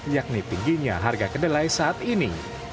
yakni tingginya harga kedelai saat ini